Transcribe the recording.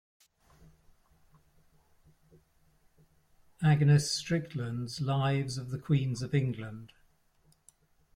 "Agnes Strickland's Lives of the Queens of England".